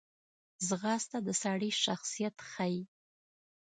ځغاسته د سړي شخصیت ښیي